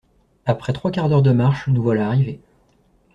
Après trois quarts d’heure de marche, nous voilà arrivés.